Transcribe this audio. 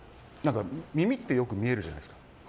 耳ってよく見えるじゃないですか。